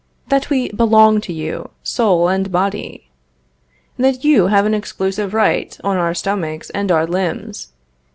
that we belong to you, soul and body! that you have an exclusive right on our stomachs and our limbs!